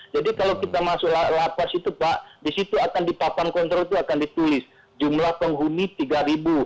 jadi kalau kita masuk lapas itu pak disitu akan di papan kontrol itu akan ditulis jumlah penghuni rp tiga